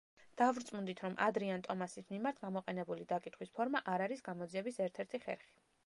დავრწმუნდით, რომ ადრიან ტომასის მიმართ გამოყენებული დაკითხვის ფორმა არ არის გამოძიების ერთ-ერთი ხერხი.